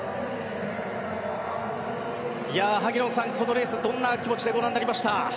萩野さん、このレースどんな気持ちでご覧になりましたか？